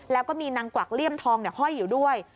แล้วก็มีนางกวักเลี่ยมทองห้อยอยู่ด้วย